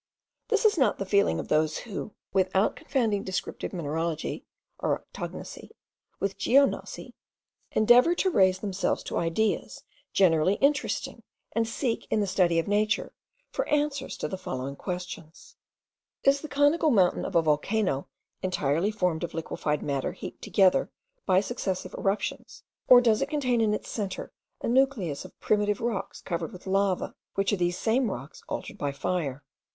This is not the feeling of those who, without confounding descriptive mineralogy (oryctognosy) with geognosy, endeavour to raise themselves to ideas generally interesting, and seek, in the study of nature, for answers to the following questions: Is the conical mountain of a volcano entirely formed of liquified matter heaped together by successive eruptions, or does it contain in its centre a nucleus of primitive rocks covered with lava, which are these same rocks altered by fire?